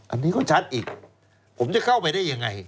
อันนี้ก็ชัดอีกผมจะเข้าไปได้ยังไง